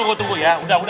udah tunggu tunggu